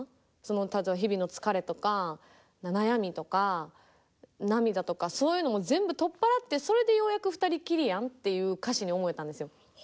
例えば日々の疲れとか悩みとか涙とかそういうのも全部取っ払ってそれでようやく二人きりやんっていう歌詞に思えたんですよ。